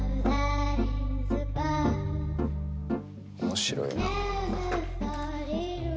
面白いな。